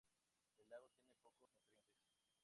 El lago tiene pocos nutrientes.